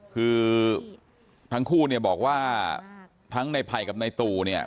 คือทั้งคู่บอกว่าทั้งนายไผ่กับนายตู่